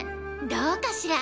どうかしら？